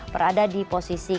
berada di posisi